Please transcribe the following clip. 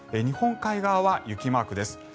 日本海側は雪マークです。